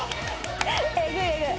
えぐいえぐい。